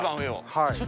はい。